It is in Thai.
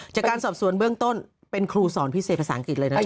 จากการสอบสวนเบื้องต้นเป็นครูสอนพิเศษภาษาอังกฤษเลยนะ